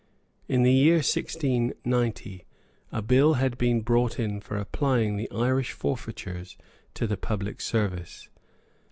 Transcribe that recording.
In the year 1690 a Bill had been brought in for applying the Irish forfeitures to the public service.